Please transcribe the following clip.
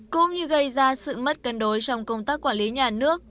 cũng như gây ra sự mất cân đối trong công tác quản lý nhà nước